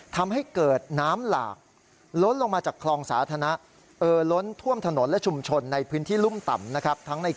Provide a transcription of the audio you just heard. ทำให้เกิดน้ำหลากล้นลงมาจากคลองสาธารณะ